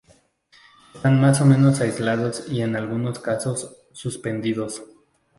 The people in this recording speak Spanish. Están más o menos aislados y en algunos casos, suspendidos.